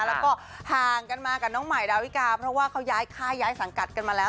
แล้วก็ห่างกันมากับน้องใหม่ดาวิกาเพราะว่าเขาย้ายค่ายย้ายสังกัดกันมาแล้ว